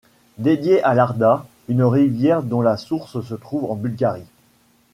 Dédiée à l'Arda, une rivière dont la source se trouve en Bulgarie.